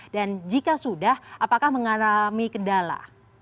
dan jika sudah apakah mengalami kendala